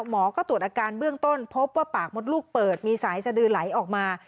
หมอก็ตรวจอาการเบื้องต้นพบว่าปากมดลูกเปิดมีสายสดือไหลออกมา